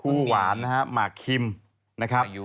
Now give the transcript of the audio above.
หวานนะฮะหมากคิมนะครับ